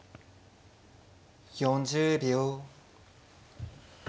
４０秒。